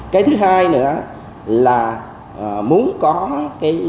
cái thứ hai nữa là muốn có cái